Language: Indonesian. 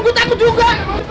gue takut juga